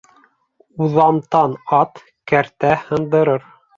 Уҙамтан ат кәртә һындырыр.